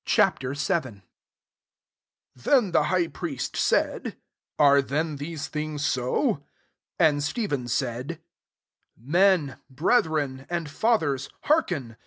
VII. 1 Then the high priest said, " Are [^then] these things so ?" 2 And Ssefihtn said, ^< Men, brethren, and fathers, heark en.